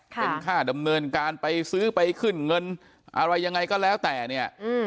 เป็นค่าดำเนินการไปซื้อไปขึ้นเงินอะไรยังไงก็แล้วแต่เนี่ย